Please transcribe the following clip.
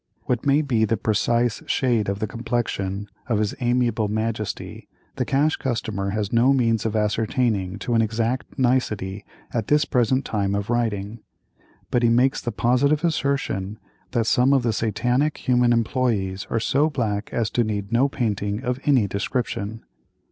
What may be the precise shade of the complexion of his amiable majesty the Cash Customer has no means of ascertaining to an exact nicety at this present time of writing; but he makes the positive assertion, that some of the Satanic human employees are so black as to need no painting of any description.